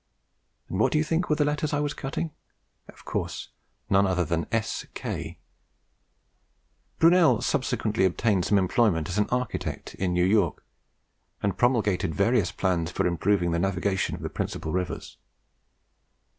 And what do you think were the letters I was cutting? Of course none other than S. K." Brunel subsequently obtained some employment as an architect in New York, and promulgated various plans for improving the navigation of the principal rivers.